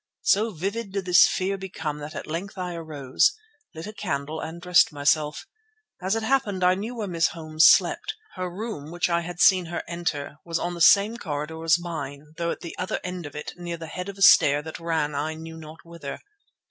So vivid did this fear become that at length I arose, lit a candle and dressed myself. As it happened I knew where Miss Holmes slept. Her room, which I had seen her enter, was on the same corridor as mine though at the other end of it near the head of a stair that ran I knew not whither.